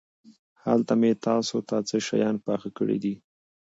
هلته مې تاسو ته څه شيان پاخه کړي دي.